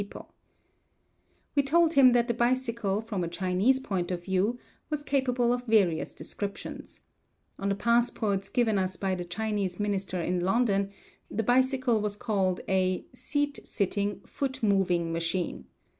A CHINESE SEEDING DRILL. We told him that the bicycle from a Chinese point of view was capable of various descriptions. On the passports given us by the Chinese minister in London the bicycle was called "a seat sitting, foot moving machine."